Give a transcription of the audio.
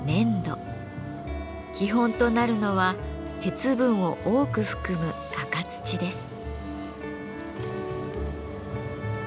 基本となるのは鉄分を多く含む赤土です。